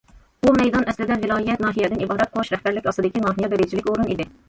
بۇ مەيدان ئەسلىدە ۋىلايەت، ناھىيەدىن ئىبارەت قوش رەھبەرلىك ئاستىدىكى ناھىيە دەرىجىلىك ئورۇن ئىدى.